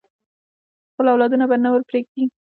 خپل اولادونه به نه ورپریږدي.